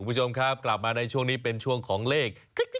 คุณผู้ชมครับกลับมาในช่วงนี้เป็นช่วงของเลข